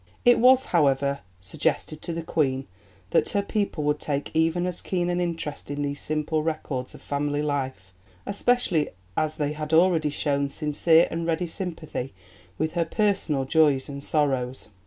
It was, however, suggested to the Queen that her people would take even as keen an interest in these simple records of family life, especially as they had already shown sincere and ready sympathy with her personal joys and sorrows.